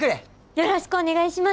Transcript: よろしくお願いします！